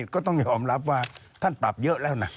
ก็ต้องยอมรับว่าท่านปรับเยอะแล้วนะ